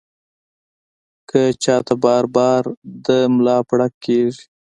کۀ چاته بار بار د ملا پړق کيږي